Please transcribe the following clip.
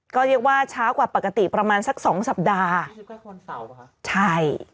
ก็เรียกว่าช้ากว่าปกติประมาณสักสองสัปดาห์ใช่